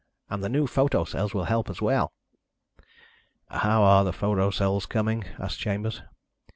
And the new photo cells will be a help as well." "How are the photo cells coming?" asked Chambers.